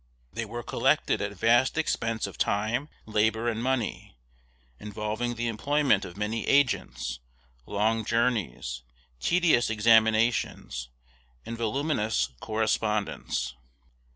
They were collected at vast expense of time, labor, and money, involving the employment of many agents, long journeys, tedious examinations, and voluminous correspondence.